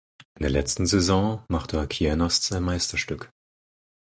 In der letzten Saison machte Kienast sein Meisterstück.